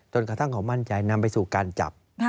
กระทั่งเขามั่นใจนำไปสู่การจับ